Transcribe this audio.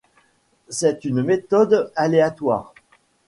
C'est une méthode aléatoire.